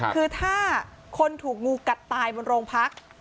คือถ้าคนถูกงูกัดตายบนโรงพัก